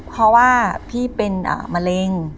เพราะว่าพี่เป็นมะเร็ง